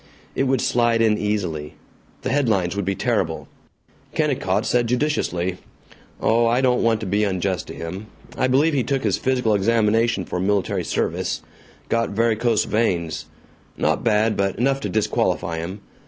It would slide in easily. The headlines would be terrible. Kennicott said judiciously, "Oh, I don't want to be unjust to him. I believe he took his physical examination for military service. Got varicose veins not bad, but enough to disqualify him.